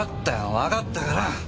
わかったから！